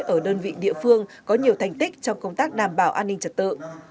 ở đơn vị địa phương có nhiều thành tích trong công tác đảm bảo an ninh trật tự